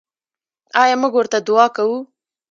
آیا موږ ورته دعا کوو؟